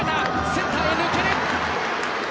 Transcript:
センターへ抜ける！